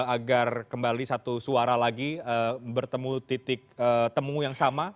agar kembali satu suara lagi bertemu titik temu yang sama